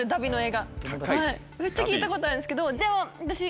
めっちゃ聞いたことあるんですけどでも。